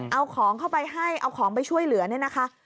เอาของเข้าไปให้เอาของไปช่วยเหลือเนี่ยนะคะ